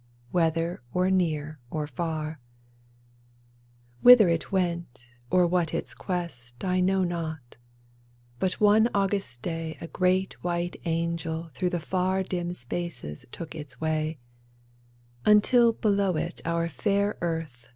Whether or near or far ! Whither it went, or what its quest, I know not ; but one August day A great white angel through the far Dim spaces took its way ; Until below it our fair earth.